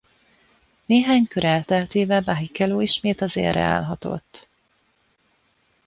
Néhány kör elteltével Barrichello ismét az élre állhatott.